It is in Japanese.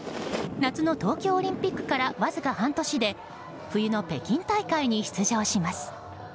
夏の東京オリンピックからわずか半年で冬の北京大会に出場します。